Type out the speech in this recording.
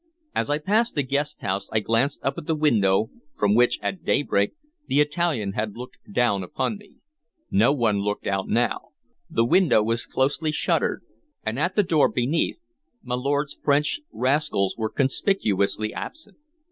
As I passed the guest house, I glanced up at the window from which, at daybreak, the Italian had looked down upon me. No one looked out now; the window was closely shuttered, and at the door beneath my lord's French rascals were conspicuously absent.